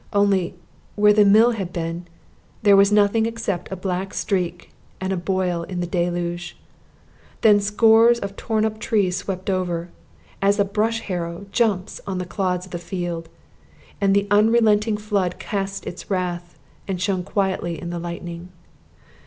Only, where the mill had been, there was nothing except a black streak and a boil in the deluge. Then scores of torn up trees swept over, as a bush harrow jumps on the clods of the field; and the unrelenting flood cast its wrath, and shone quietly in the lightning.